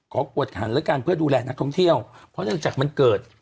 กวดขันแล้วกันเพื่อดูแลนักท่องเที่ยวเพราะเนื่องจากมันเกิด